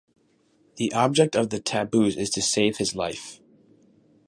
The object of the taboos is to save his life.